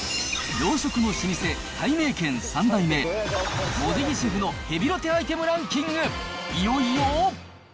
洋食の老舗、たいめいけん３代目、茂出木シェフのヘビロテアイテムランキング、いよいよ。